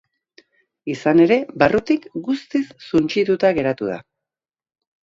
Izan ere, barrutik guztiz suntsituta geratu da.